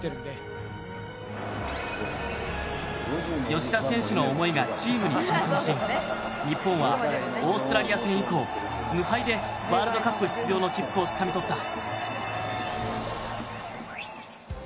吉田選手の思いがチームに浸透し日本はオーストラリア戦以降無敗でワールドカップ出場の切符をつかみ取った。